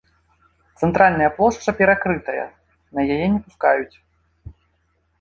Цэнтральная плошча перакрытая, на яе не пускаюць.